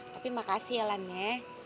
tapi makasih ya lannya